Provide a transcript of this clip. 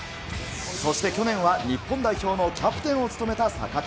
そして去年は日本代表のキャプテンを務めた坂手。